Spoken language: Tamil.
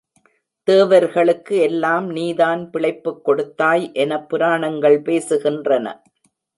தேவர்களுக்கு எல்லாம் நீதான் பிழைப்புக் கொடுத்தாய் எனப் புராணங்கள் பேசுகின்றன.